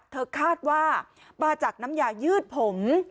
คาดว่ามาจากน้ำยายืดผม